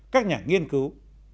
các nhà nghiên cứu